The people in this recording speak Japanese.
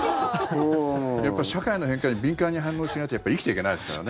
やっぱり社会の変化に敏感に反応しないと生きていけないですからね。